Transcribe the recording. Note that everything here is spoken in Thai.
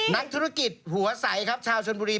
นักธุรกิจหัวใสชาวชนบบูรี